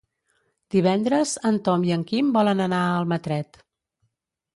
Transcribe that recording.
Divendres en Tom i en Quim volen anar a Almatret.